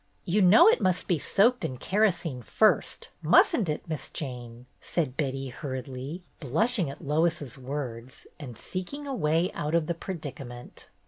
"You know it must be soaked in kerosene first, mustn't it. Miss Jane?" said Betty, hurriedly, blushing at Lois's words, and seek ing a way out of the predicament.